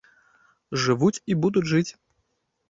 Жывуць і будуць жыць.